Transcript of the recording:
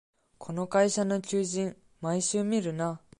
この会社の求人、毎週見るな